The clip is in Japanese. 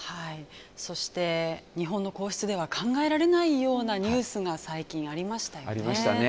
そして、日本の皇室では考えられないようなニュースが最近ありましたよね。